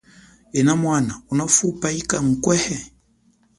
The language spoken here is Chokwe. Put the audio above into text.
Enamwana, unafupa yika ngukwehe?